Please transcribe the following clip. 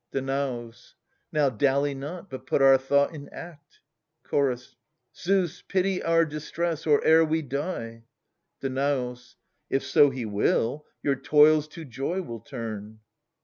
Danaus. Now dally not, but put our thought in act Chorus. Zeus, pity our distress, or e'er we die. Danaus. If so he will, your toils to joy will turn.